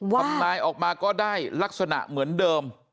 ทำนายออกมาก็ได้ลักษณะเหมือนเดิม